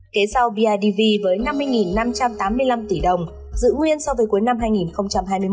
kế sau bidv với năm mươi năm trăm tám mươi năm tỷ đồng dự nguyên so với cuối năm hai nghìn hai mươi một